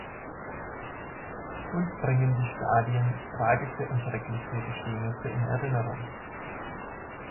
Uns bringen die Stadien tragische und schreckliche Geschehnisse in Erinnerung.